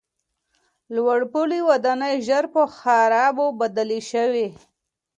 لوړپوړي ودانۍ ژر په خرابو بدلې شوې.